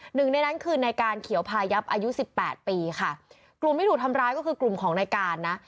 หนึ่งในนั้นคือในการเขียวพายับอายุสิบแปดปีค่ะกลุ่มที่ถูกทำร้ายก็คือกลุ่มของในการนะ